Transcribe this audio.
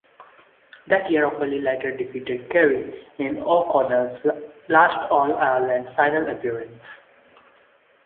That year Offaly later defeated Kerry in O'Connell's last All-Ireland final appearance.